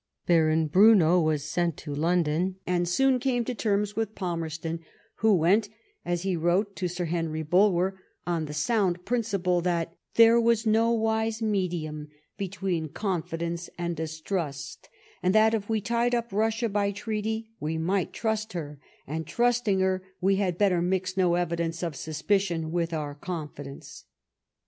Baron Brunnow was sent to 72 LIFE OF VISCOUNT PALMEB8T0N. London, and soon came to terms with Palmerston, who went, as he wrote to Sir Henry Balwer, on the sound principle that there was no wise mediam between con fidence and dtstrust ; and that if we tied up Russia by treaty we might trust her, and, trusting her, we had better mix no evidence of suspicion with our confi dence."